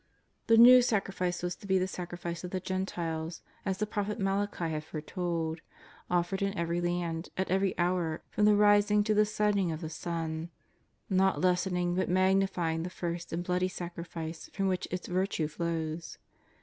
The Xew Sacrifice was to be the Sacrifice of the Gentiles, as the prophet Malachy had foretold, offered in every land, at every hour, from the rising to the setting of the sun, not lessening but magnifying the first and bloody Sacrifice from which its virtue flows.